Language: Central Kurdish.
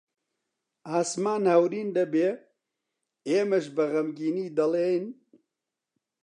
ئاسمان هەورین دەبێ، ئێمەش بە غەمگینی دەڵێین: